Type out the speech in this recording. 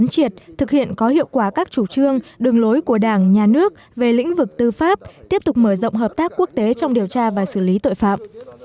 thực hiện có hiệu quả các chủ trương đường lối của đảng nhà nước về lĩnh vực tư pháp tiếp tục mở rộng hợp tác quốc tế trong điều tra và xử lý tội phạm